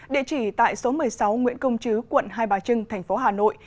địa chỉ tại số một mươi sáu nguyễn công chứ quận hai bà trưng thành phố hà nội